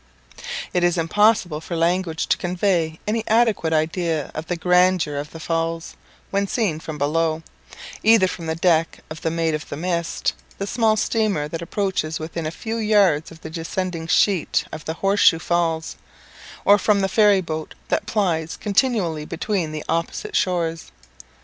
It is impossible for language to convey any adequate idea of the grandeur of the Falls, when seen from below, either from the deck of the "Maid of the Mist," the small steamer that approaches within a few yards of the descending sheet of the Horse shoe Falls or from the ferry boat that plies continually between the opposite shores.